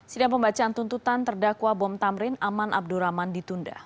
sidang pembacaan tuntutan terdakwa bom tamrin aman abdurrahman ditunda